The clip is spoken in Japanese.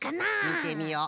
みてみよう。